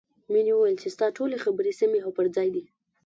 مینې وویل چې ستا ټولې خبرې سمې او پر ځای دي